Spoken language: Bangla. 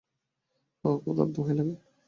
অহ, খোদার দোহাই লাগে!